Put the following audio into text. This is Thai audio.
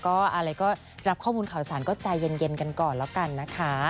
ก็อะไรก็รับข้อมูลข่าวสารก็ใจเย็นกันก่อนแล้วกันนะคะ